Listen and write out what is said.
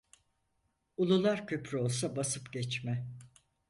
Ulular köprü olsa basıp geçme.